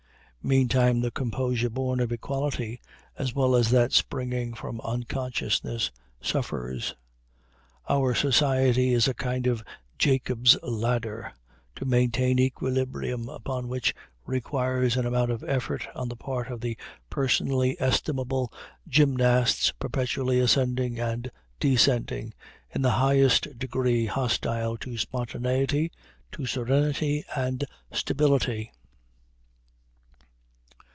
Meantime the composure born of equality, as well as that springing from unconsciousness, suffers. Our society is a kind of Jacob's ladder, to maintain equilibrium upon which requires an amount of effort on the part of the personally estimable gymnasts perpetually ascending and descending, in the highest degree hostile to spontaneity, to serenity, and stability.